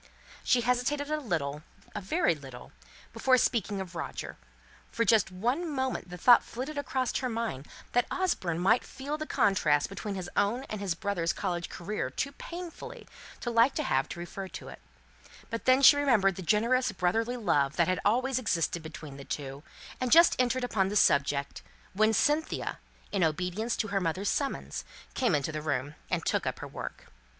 She hesitated a little, a very little, before speaking of Roger; for just one moment the thought flitted across her mind, that Osborne might feel the contrast between his own and his brother's college career too painfully to like to have it referred to; but then she remembered the generous brotherly love that had always existed between the two, and had just entered upon the subject, when Cynthia in obedience to her mother's summons, came into the room, and took up her work.